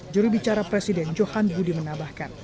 jurubicara presiden johan budi menambahkan